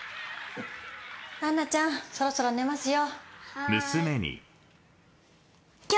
アンナちゃんそろそろ寝ますよ。